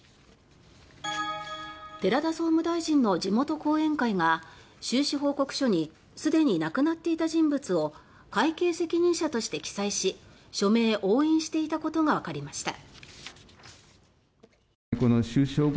寺田総務大臣の地元後援会が収支報告書にすでに亡くなっていた人物を会計責任者として記載し署名、押印していたことがわかりました。